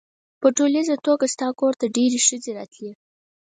په ټولیزه توګه ستا کور ته ډېرې ښځې راتلې.